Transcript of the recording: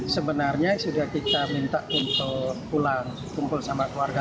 sebenarnya sudah kita minta untuk pulang kumpul sama keluarga